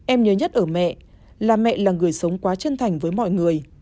em nhớ nhất ở mẹ là mẹ là người sống quá chân thành với mọi người